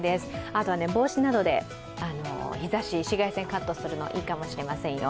あとは帽子などで紫外線をカットするのもいいかもしれませんよ。